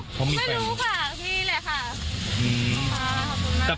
ไม่รู้ค่ะมีเลยค่ะ